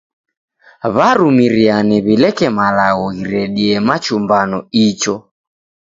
W'arumiriane w'ileke malagho ghiredie machumbano icho.